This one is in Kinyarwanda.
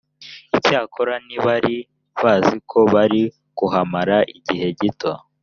icyakora ntibari bazi ko bari kuhamara igihe gito